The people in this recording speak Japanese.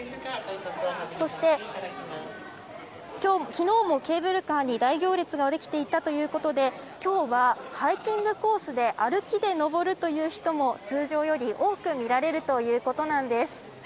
そして、昨日もケーブルカーに大行列ができていたということで今日は、ハイキングコースで歩きで登るという人も通常より多く見られるということなんです。